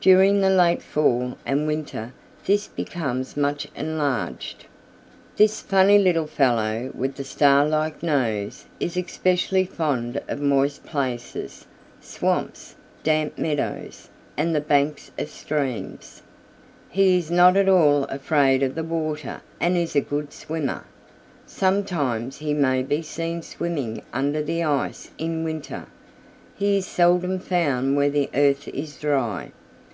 During the late fall and winter this becomes much enlarged. "This funny little fellow with the star like nose is especially fond of moist places, swamps, damp meadows, and the banks of streams. He is not at all afraid of the water and is a good swimmer. Sometimes he may be seen swimming under the ice in winter. He is seldom found where the earth is dry.